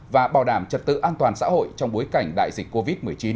và bảo đảm trật tự an toàn xã hội trong bối cảnh đại dịch covid một mươi chín